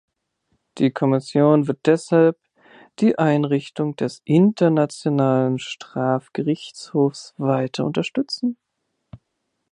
Die Kommission wird deshalb die Einrichtung des Internationalen Strafgerichtshofs weiter unterstützen.